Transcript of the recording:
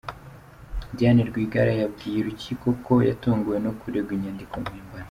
Diane Rwigara yabwiye urukiko ko yatunguwe no kuregwa inyandiko mpimbano.